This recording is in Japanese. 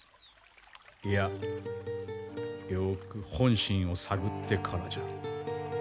いやよく本心を探ってからじゃ。